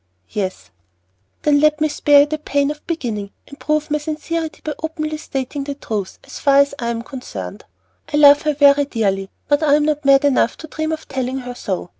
"Yes." "Then let me spare you the pain of beginning, and prove my sincerity by openly stating the truth, as far as I am concerned. I love her very dearly, but I am not mad enough to dream of telling her so.